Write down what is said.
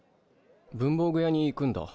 文房具屋に行くんだ。